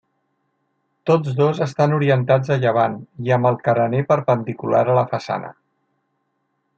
Tots dos estan orientats a llevant i amb el carener perpendicular a la façana.